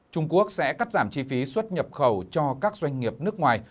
trung quốc sẽ cắt giảm chi phí xuất nhập khẩu cho các doanh nghiệp nước ngoài